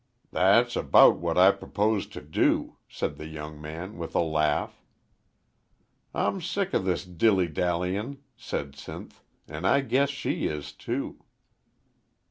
"That's about what I propose to do," said the young man, with a laugh. "I'm sick o' this dilly dally in'," said Sinth, "an' I guess she is, too."